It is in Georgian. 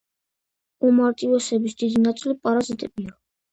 უმარტივესების დიდი ნაწილი პარაზიტებია.